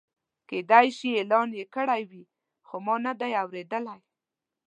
کېدای شي اعلان یې کړی وي خو ما نه دی اورېدلی.